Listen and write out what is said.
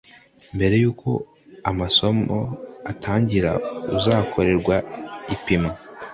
mbere y'uko amasomo atangira uzakorerwa ipimwa